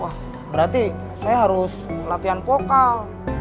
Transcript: wah berarti saya harus latihan vokal